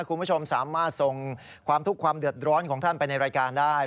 คุณผู้ชมสามารถส่งความทุกข์ความเดือดร้อนของท่านไปในรายการได้